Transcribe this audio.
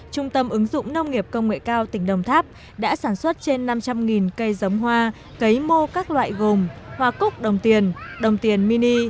trung tâm ứng dụng nông nghiệp công nghệ cao tỉnh đồng tháp đã sản xuất trên năm trăm linh cây giống hoa cấy mô các loại gồm hoa cúc đồng tiền đồng tiền mini